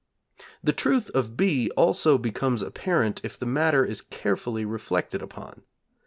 The truth of (b) also becomes apparent if the matter is carefully reflected upon.